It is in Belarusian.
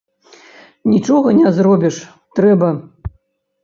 Нічога не зробіш, трэба.